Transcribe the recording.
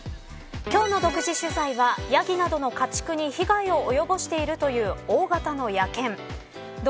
今日の独自取材はヤギなどの家畜に被害を及ぼしているとい大型の野犬。